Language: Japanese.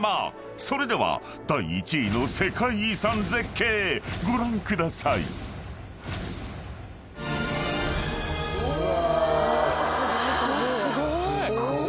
［それでは第１位の世界遺産絶景ご覧ください］うわ。すごっ。